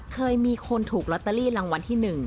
เคยมีคนถูกลอตเตอรี่รางวัลที่๑